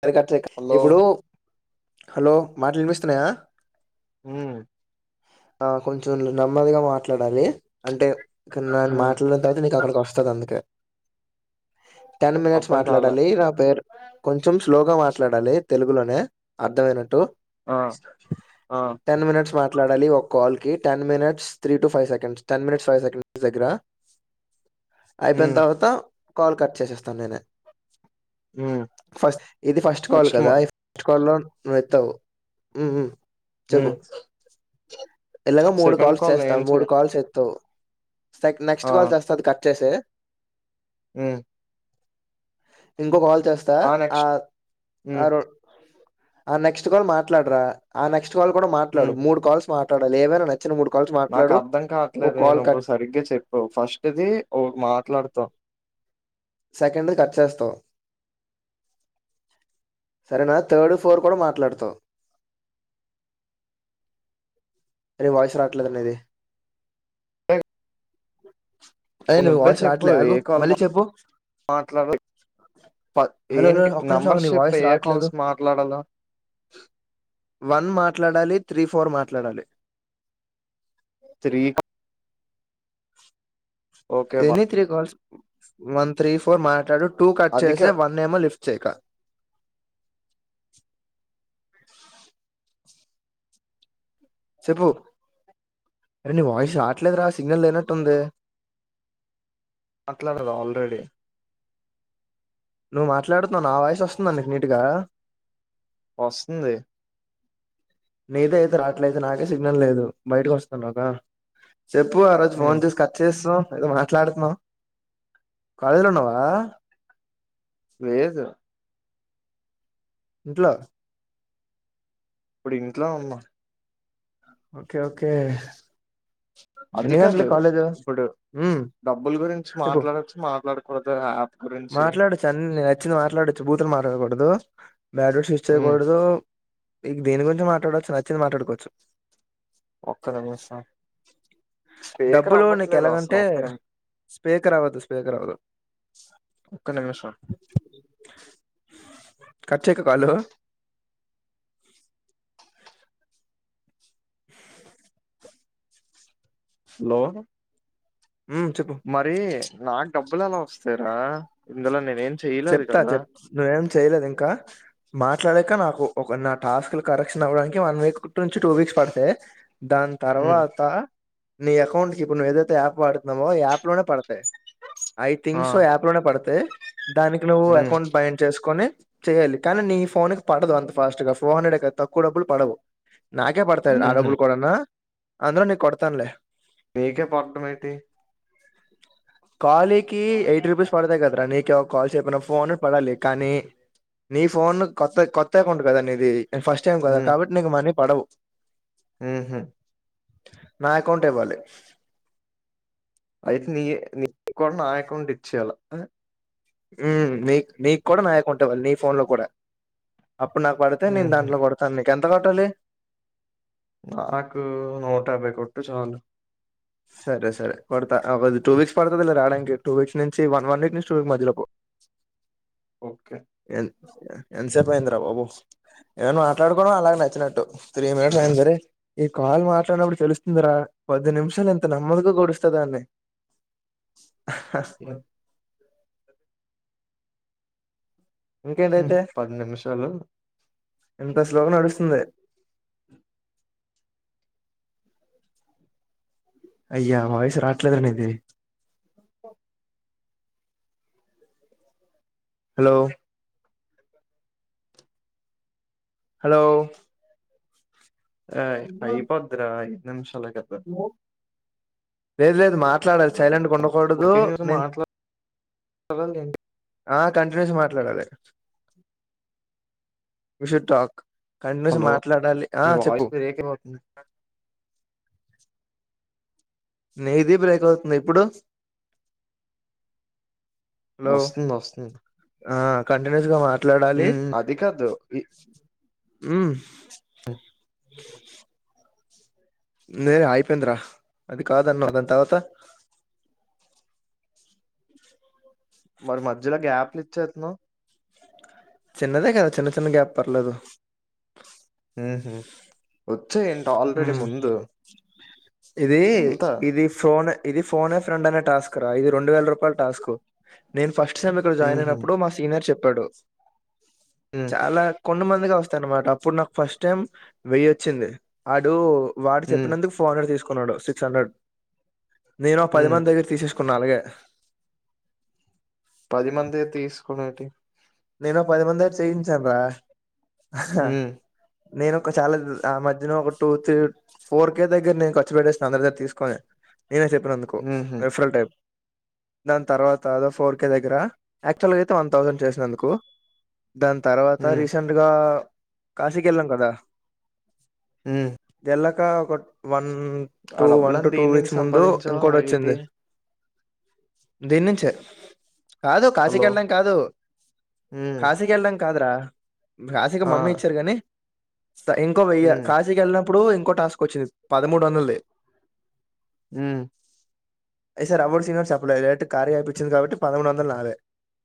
సరే కట్లేక హలో ఇప్పుడు హలో మాటలు వినిపిస్తున్నాయా హ్మ్ ఆ కొంచెం నెమ్మదిగా మాట్లాడాలి అంటే ఇక్కడ నేను ఉమ్ మాట్లాడిన తర్వాత నీకు అక్కడికి వస్తది అందుకే టెన్ మినిట్స్ అర్థం కాలే మాట్లాడాలి నా పేరు కొం చెం స్లోగా మాట్లాడాలి తెలుగులోనే అర్థమైనట్టు ఆ ఆ ట్లాడాలి ఒక కాల్ కి ten minutes three to five seconds ten minutes five seconds దగ్గర. ఐపేన్ ఉమ్ తవాత కాల్ కట్ చేసేస్తాను నేనే ఉమ్ ఫస్ట్ ఇది ఫస్ట్ కాల్ నెక్స్ట్ కదా మా ఈ ఫస్ట్ కాల్ లోన్ నువ్వు ఎత్తవు చెప్పు ఉమ్ ఎలాగో మూడు సెకండ్ కాల్స్ కాల్ ఏం చేస్తావ్ చె మూడు కాల్స్ ఎత్తవు సె నెక్స్ట్ ఆ కాల్ చేస్తా అది కట్ చేసేయ్ ఉమ్ ఇంకో కాల్ చేస్తా ఆ ఉమ్ ఆరో ఆ నెక్స్ట్ కాల్ మాట్లాడరా ఆ నెక్స్ క్స్ట్ కాల్ కూడా మాట్లాడు ఉమ్ మూడు కాల్స్ మాట్లాడాలి లేవననే నాకు అర్థం కావట్లేదే, నువ్వు కట్ ఇప్పుడు సరిగ్గా చెప్పు ఫస్ట్ ది ఓ మాట్లాడుతా సెకండ్ కట్ చేస్తావు. సరేనా థర్డ్ ఫోర్ కూడా మాట్లాడుతావు అరే వాయిస్ రావట్లేదే నీది అరే నువ్వు వాయిస్ రావట్లే ఆగు మళ్ళీ చెప్పు మాట్లాడురే కాద్ హలో హలో ఏంటి, ఒక్క నిమిషం ఆగు నీ నెంబర్షిప్ వాయిస్ ఏ రావట్లేదు కాల్స్ మాట్లాడాల వన్ మాట్లాడాలి త్రీ ఫోర్ మాట్లాడాలి త్రీ క ఓకే దేన్ని three calls one three four మాట్లాడు టూ కట్ అదిక చేసే వన్ ఏమో లిఫ్ట్ చేయక ప్చ్ చెప్పు అరే నీ వాయిస్ రాటలేదురా సిగ్నల్ లేనట్టుంది మాట్లాడగా ఆల్రెడీ నువ్ మాట్లాడుతున్నావు నా వాయిస్ వస్తుంద నీకు నీట్గా వస్తుంది నీది అయితే రాట్లేదు నాకే సిగ్నల్ లేదు బయటకి వస్తాను కదా చెప్పు ఆ రోజు ఉమ్ ఫోన్ చేసి కర్చ్చ చేస్తాం ఏదో మాట్లాడుతున్నాం కాలేజ్లో ఉన్నావా లేదు ఇంట్లో ఇప్పుడు ఇంటో ఉన్న ఓకే ఓకే అది ఎన్ని కాదు గంటలకి కాలేజు ఇప్పుడు ఉమ్ డబ్బులు గురించి మాట్లాడచ్చు మాట్లాడు కు మాట్లాడు చన్న వచ్చింది మాట్లాడవచ్చు భూతులు మాట్లాడకుడదు మ్యాడ్రో సస్ కోదు మీకు దీని గురించి మాట్లాడవచ్చు నచ్చింది మాట్లాడుకోవచ్చు ఒక్క నిమిషం స్పీకర్ డబ్బులో నీకు అవ్వట్లేదు అసలు ఎలాగంటే ఒక్క నిమి స్పీకర్ అవ్వదు స్పీకర్ అవ్వదు ఒకక్క నిమిషం కచ్చేక కలు హలో ఉమ్ చెప్పు నాకు డబ్బులు ఎలా వస్తార ఇందులో నేనేం చెయలేదు చెప్తా కదా చెప్ నువ్వేం చేయలేదు ఇంకా మాట్లాడక నాకు ఒక నా టాస్క్ కరెక్షన్ అవ్వడానికి వన్ వీక్ నుంచి టూ వీక్స్ పడతాయి దాని ఉమ్, తర్వాత నీ అకౌంట్ కి ఇప్పుడు నువ్ ఏదైతే యాప్ వాడు న్నామో యాప్ లోనే పడతాయి ఐ ఆ థింగ్స్ సో యాప్ లోనే పడితే దానికి నువ్వు ఉమ్, అకౌంట్ బైండ్ చేసుకొని చెయ్యాలి కానీ నీ ఫోన్ పడదు అంత ఫాస్ట్ గా ఫోర్ హండ్రెడ్ తక్కువ డబ్బు పడవు నాకే పడతాయి ఆ ఉహు. డబ్బులు కూడానా అందులో నీ కొడతానులే నీకే [unintelligible] మేటి కాలీకి యైట్ రూపీస్ పడతాయి కదా ప్రని క కాల్ చేయకపోయినా ఫోన్ పడాలి కానీ నీ ఫోన్ కొత్త కొత్త అకౌంట్ కద నీది నే ఫస్ట్ టైం కదా కాబట్టి నీకు పొడవు ఉమ్ నా అకౌంట్ ఇవాళ అయితే [unintelligible] కొన్నా ఇచ్చేల మ్మ్ నీ నీకు కూడా నా అకౌంట్ ఇవ్వాలి నీ ఫోన్ లో కూడా అప్పుడు నాకు పడితే నేను ఉహు దాంట్లో కొడతానులే కానీ [unintelligible] కొట్టండి నాకు నూట యాబ్భై కొట్టు చాలు సరే సరే కొడతా టూ వీక్స్ పడతదిలేర రావడానికి టూ వీక్స్ నుంచి వన్ వన్ వీక్ నుంచి టూ వీక్ మధ్యలోపూ ఓకే ఎంతసేపుయిందిరా బాబు ఏను మాట్లాడుకోవడం అలాగ నచ్చినట్టు త్రీ మినిట్స్ అయింది సరే ఈ కాల్ మాట్లాడినప్పుడు తెలుస్తుంది రా కొద్ది నిమిషం ఎంత నెమదుగా గడుస్త దాన్ని [unintelligible] ఇంకేంటైతే పది నిమిషాలు ఇంత స్లోగా నడుస్తుంది అయ్యా వాయిస్ రాట్లే నిది హలో హలో ఆ అయిపోద్రా నిషాల హ లేదు లేదు మాట్లాడ సైలెంట్గా ఇప్పుడు ఉండకూడదు కంటిన్యూస్ నేను మాట్లాడాల ఏంటి ఆ కంటిన్యూస్ విష టాక్ కంటిన్యూస్ హలో మాట్లాడాలి ఆ మీ చెప్పు వాయిస్ బ్రేక్ అయిపోతుంది నీ ఇది బ్రేక్ అవుతుంది ఇప్పుడు హలో వస్తుంది వస్తు ఆ కంటిన్యూస్ గా మాట్లాడాలి అది కాదు ఈ నేర అయిపోంద్ర అది కాదన్న అదంత తవాత మరి మధ్యలో గ్యాప్లు ఇచ్చేతును చిన్నదే కదా చిన్న చిన్న గ్యాప్ పర్లేదు హ వచ్చే ఏంట ఆల్రెడీ ఉమ్ ముందు ఇది ఎంత ఇది ఫోన్ ఇది ఫోన్ ఫ్రం అనే టాస్క్ రా ఇది రెడు వేల రూపా టాస్క్ నేను ఫస్ట్ టైమ్ ఇక్కడ జాయిన్ ఉహు అయినప్పుడు మా సనియర్ చెప్ప పడు ఉమ్ చాలా కొంతమంది వస్తాయి అనమాట అప్పుడు నాకు ఫస్ట్ టైం వెయ్యి వచ్చింది ఆడు వాడు ఉమ్ చెపినందుకు ఫోన్ర్ తీసుకు కున్నాడు సిక్స్ హండ్రెడ్ నేను ఒక పది ఉమ్ మంది దగ్గర్ తీసేస్క్ కొన్నాలుగె పది మంది తీసుకునే ఏటి నేను పది మంది చేయించాను రా ఉమ్ నేను ఒక చాలా ఆ మధ్యన ఒక టూ త్రీ ఫోర్ కే దగ్గర నేను ఖర్చు పెట్టేస్తాను అందరి దగ్గర తీసుకొని నేనే చెప్పినందుకో ఉహు రిఫరల్ టైప్ దాని తర్వాతదో అ ఫోర్కె దగ్గర యాక్చువల్గా అయితే వన్ థౌసండ్ చేసినందు కో దాని తర్వాత ఉమ్ రీసెంట్గా కాశీకి వెళ్ళాం కదా మ్ ఇంకా ఒక మ్ టూ వన్ టు టూ దేని నుంచి వీక్స్ ముందు సంపాదించావు ఇంకోటి అలాగైతే వచ్చింది దీన్నించే కాదు హలో కాశీకిళ్ళం కాదు ఉమ్ కాశీ కి వెళ్లాం కాదు రా కాశీ కి ఆ మమ్మీ ఇచ్చారు గానీ ఇంకో వెయ్య ఉమ్ కాశీకెళ్ళం ఇప్పుడు ఇంకో టాస్క్ వచ్చింది పదమూడు వందలుది హ్మ్ ఈ సారి ఎవరితోనూ చెప్పలేదు ఇదైతే కార్యయాప్ ఇచ్చింది కాబట్టి పదమూడు వందలు నావే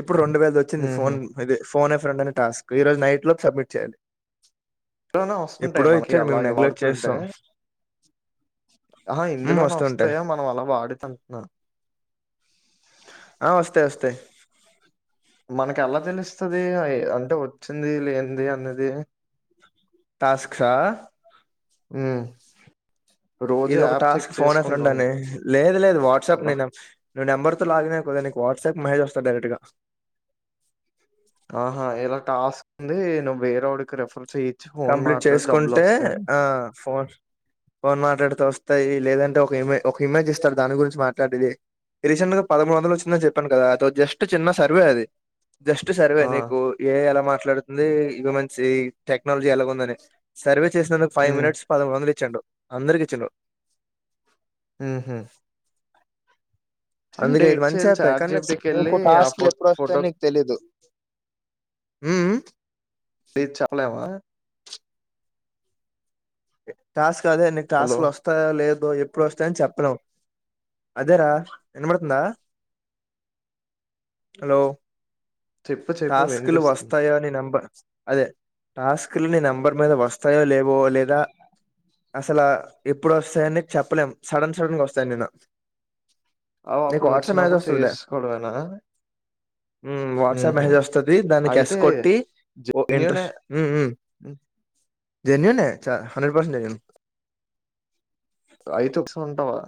ఇప్పుడు రెండు వేలు ఇచ్చింది ఉహు ఫోన్ ఇది ఫోన్ ఎ ప్రెండ్ అని టాస్క్ ఈ రోజు నైట్ లోపు సబ్మిట్ చేయాలి ఎలానే వస్తుంటాయి ఎప్పుడో మనకి ఇచ్చాడు మేము అలాగే నెగ్లెక్ట్ వాడుతుంటే చేస్తాం అహ ఉమ్, ఇందులోనే వస్తుంటాయి వస్తాయా మనం అలా వాడితే అంటున్నా ఆ వస్తాయి వస్తాయి మనకి ఎలా తెలుస్తుది అంటే వచ్చింది లేంది అన్నది టాస్క్ సా హ్మ్మ్ ఇది ఒక టాస్క్ ఫోన్ అయిండ్ అని లేదు లేదు వాట్సాప్ ఉండాలా? నేను ను్వు నెంబర్ తో లాగిన కదా నీకు వాట్సాప్ మెసజ్స్తను డైరెక్ట్ గా ఆహా ఇలా టాస్క్ ఉంది నువ్వు వేరేడికి రెఫర్ కంప్లీట్ చేసుకుంటే ఆ ఫోన్ ఫోన్ మాట్లాడితే వస్తాయి లేదంటే ఒక ఇమే ఒక ఇమేజ్ ఇస్తడు దాని గురించి మాట్లాడేది రీసెంట్ గా పదమూడు వందలు వచ్చి చెప్పాను కదా అ జస్ట్ చిన్న సర్వే అది జస్ట్ సర్వే ఆ! నీకు ఏ ఎలా మాట్లా మాట్లాడుతుంది ఇవి మంచి టెక్నాలజీ ఎలా ఉందని సర్వే చేసినందుకుైవ్ హ్మ్. మిట్స్ పదిమూ వలు ఇచ్చండు అందరికిీ చెలో హ్మ్మ్ అందుకే ఇది మంచి చేయాలి? చెప్పయి కానీ చాట్‌జీపీటీకెళ్ళి ఇకు ఆ ఫో కాస్ట్లు ఎప్పుడు వస్తాయని నీకు ఫోటోది తెలీదు హ్మ్మ్ అ చాలవా చ అదే ఎన్నికు హలో! టాస్క్లు వస్తాయా లేదు ఎప్పుడు వస్తాయని చెప్పలేం అదేరా ఎనబడుతుందా హలో చెప్పు చెప్పు టాస్కు లు వినిపిస్తుంది. వస్తాయ అని నమ్మ అదే టాస్క్ లోని నెంబర్ మీద వస్తాయో లే పోో లేదా అసలు ఎప్పుడు వస్తాయని చెప్పలేం సడన్ సడన్ గా వస్తాను నేను అవు నీకు అప్పుడు వాట్సాప్ మెసేజ్ వచ్చినప్పుడు వస్తదిలే చేసుకోడనా ఉమ్, వాట్సాప్ మెసేజ్ వస్తుంది దాన్ని కస్ కొట్టి ఓ జెన్యూనే ఇంట్రెస్ట్ హ్మ్. జెన్న్ చ హ్రెడ్ పసెన్ జన్ ఐదుస ఉంటావా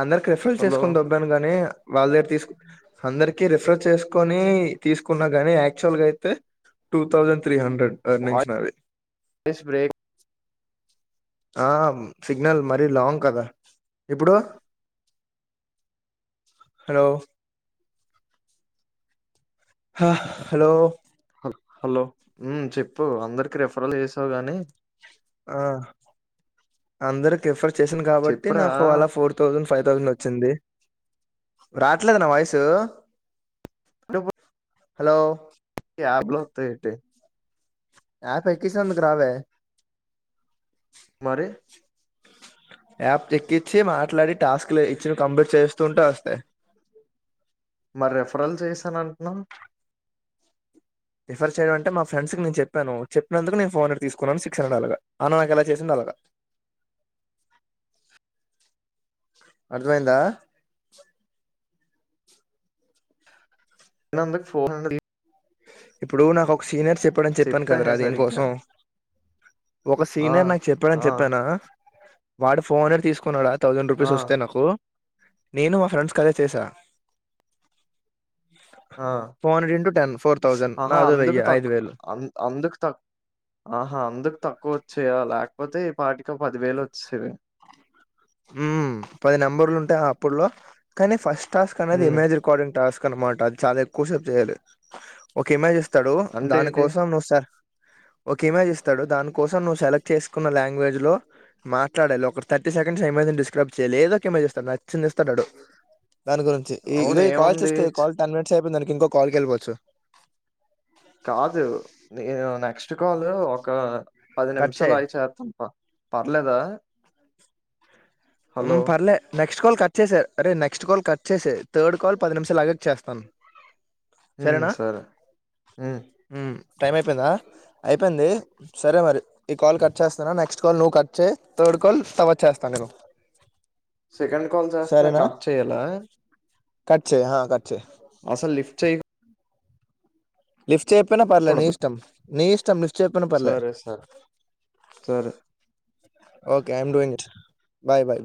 అందరికి రిఫరల్ హలో! చేసుకుని దబ్బాను గాని వాళ్ళ దగ్గర తీసుకు అందరికి రిఫర్ చేసుకొని తీసుకున్నా గాని యాక్చువల్ గా అయితే టూ థౌజండ్ త్రీ హండ్రెడ్ అ వాయిస్ నింగ్సనాాలి బ్రేక్ ఆ సిగ్నల్ మరీ లాంగ్ కదా ఇప్పుడు హలో హ హలో హ హలో చెప్పు అందరికి రెఫరల్ చేసావు గాని ఆ అందరి క రిఫర్ చేసిాను కాబట్టి చెప్పురా నాకు అలా ఫోర్ థౌజండ్ ఫైవ్ థౌసండ్ వచ్చింది రాట్లేదు నా వాయిసు హలో బ్ల ఇట యాప్ ఎక్కించి నందుకు రావే మరి యాప్ ఎక్కించి మాట్లాడి టాస్క్లు ఇచ్చిన కంప్లీట్ చేస్తుూంటే వస్తాయి మరి రెఫరల్ చేసానంటన్నావ్ రిఫర్ చేయడం అంటే మా ఫ్రెండ్స్ కి నేను చెప్పాను చెప్పినందుకు నేను ఫోర్ హండ్రెడ్ తీసుకున్నాను సిక్స్ హండ్రెడ్ అలాగా ఆమె నాకు ఎలా చేసింది అలాగా అర్థమైందా ఎందుకు ఫోన్ ది ఇప్పుడు నాకు ఒక సీనేర్ చెప్పాడని చెప్పాను కదరా చెప్పాహే సరిగ్గా దీనికోసం ఒక ఆ సీనియర్ నాకు చెప్పాడని ఆ చెప్పానా వాడు ఫోన్ తీసుకున్నాడా థౌజండ్ ఆ రూపీస్ వస్తాయి నాకు నేను మా ఫ్రెండ్స్ కదే చేసా ఆ four hundred two ten four ఆహా అందుకు తక్కువ అందుకు తక్ ఆహా అందుకు తక్కువ చేయాలి లేకపోతే ఈ పాటికి పదివేలు వచ్చేవి ఉ పది నెంబర్లు ఉంటాయి అప్పుట్లో కానీ ఫస్ట్ టాస్క్ అది ఉమ్ ఎమజ్ రికార్డింగ్ టాస్క్ అనమాట అది చాలా ఎక్కువసేపు చేయాలి ఒక ఏ చేస్ ఇస్తాడు అంటే దాని ఏంటి కోసం నువ్వు సార్ ఒక ఇమేజ్ ఇస్తాడు దాని కోసం నువ్వు సెలెక్ట్ చేసుకున్న లాంగ్వేజ్ లో, మాట్లాడేాలి ఒక థర్టీ సె [unintelligible] డిస్క్రైబ్ చేయ లేదోక ఏమ చేస్తాడు నచ్చింది ఇస్తాన్నాడు దాని గురించి ఇ అవును ఇగో కాల్ ఏముంది చేసుకో ఛ్, కాల్ టెన్ మినిట్స్ అయిపోయిందిని ఇంకో కాల్ కి వెళ్లిపోవచ్చు పుక్షకాలు ఒక పది కట్ నిమిషాలుయి చేయి ఆగి చేతాంప పర్లేదా మ్ హలో పర్లే నెక్స్ట్ కాల్ కట్ చేసా, అరే నెక్స్ట్ కాల్ కట్ చేసి థర్డ్ కాల్ పది నిమిషాలు లాగా చేస్తాను మ్ సరేనా సరే మ్ ఉమ్ టైం అయిపోయిందా, అయిపోయింది సరే మరి ఈ కాల్ కట్ చేస్తాను నెక్స్ట్ కాల్ నువ్వు కట్ చే థర్డ్ కాల్ తవ వచ్చేస్తాను నేవు సెకండ్ కాల్ చేస్తున్నాను కట్ చేయ్యాల కట్ చెయ్ అ కట్ చేయి అసలు లిఫ్ట్ చేయి లిఫ్ట్ చెప్పిన పర్లే నీ చేయకూడదు. ఇష్టం నీ ఇష్ త సరే సరే సరే okay I'm doing it bye bye